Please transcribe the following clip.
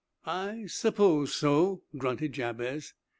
"I s'pose so," grunted Jabez.